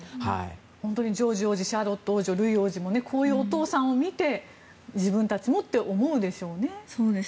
本当にジョージ王子シャーロット王女、ルイ王子もこういうお父さんを見て自分たちもと思うんでしょうね。